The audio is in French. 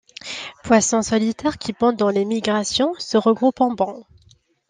Poisson solitaire qui pendant les migrations se regroupe en banc.